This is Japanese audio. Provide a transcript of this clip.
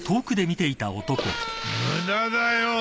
無駄だよ。